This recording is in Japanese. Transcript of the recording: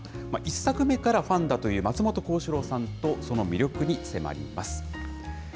１作目からファンだという松本幸四郎さんと、その魅力に迫ります。